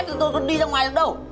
thì tôi còn đi ra ngoài đâu